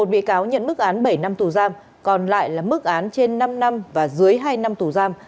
một mươi một bị cáo nhận mức án bảy năm tù giam còn lại là mức án trên năm năm và dưới hai năm tù giam